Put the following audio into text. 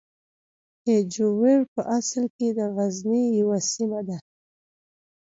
هجویر په اصل کې د غزني یوه سیمه ده.